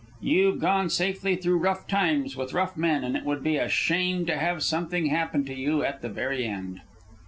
You've gone safely through rough times with rough men, and it would be a shame to have something happen to you at the very end."